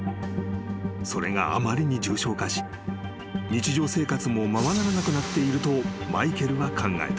［それがあまりに重症化し日常生活もままならなくなっているとマイケルは考えた］